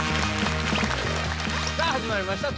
さあ始まりました